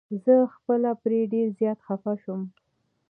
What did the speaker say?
زه خپله پرې ډير زيات خفه شوم.